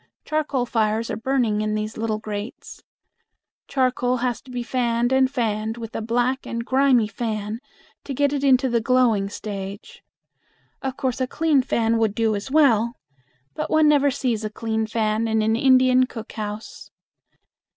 Charcoal fires are burning in these little grates. Charcoal has to be fanned and fanned with a black and grimy fan to get it into the glowing stage. Of course a clean fan would do as well, but one never sees a clean fan in an Indian cook house.